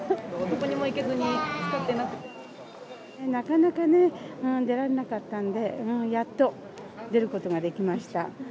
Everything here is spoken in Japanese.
どこにも行けずに使ってなくなかなかね、出られなかったんで、やっと出ることができました。